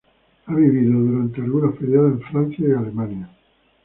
Ha vivido durante algunos períodos en Francia y Alemania.